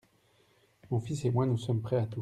Mon fils et moi, nous sommes prêts à tout.